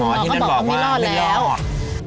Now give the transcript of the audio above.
หมอที่นั่นบอกว่าไม่รอดแล้วมันก็บอกว่าไม่รอด